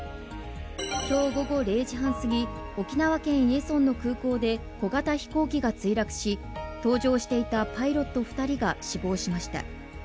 今日午後０時半すぎ、沖縄県伊江村の空港で小型飛行機が墜落し、搭乗していたパイロット２人が死亡しました。